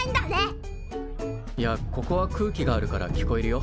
いやここは空気があるから聞こえるよ。